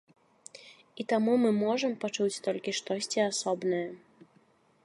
І таму мы можам пачуць толькі штосьці асобнае.